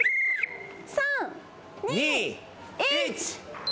３２１。